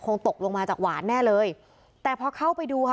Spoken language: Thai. ตกลงมาจากหวานแน่เลยแต่พอเข้าไปดูค่ะ